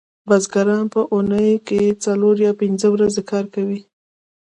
بزګران په اونۍ کې څلور یا پنځه ورځې کار کوي